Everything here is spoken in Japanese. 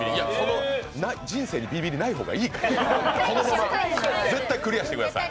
人生にビリビリない方がいいから、このまま、絶対クリアしてください！